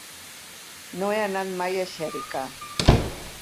No he anat mai a Xèrica.